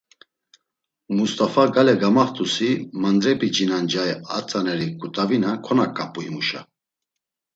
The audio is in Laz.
Must̆afa gale gamaxt̆usi, mandrep̌ici na ncay a tzaneri ǩut̆avina konaǩap̌u himuşa.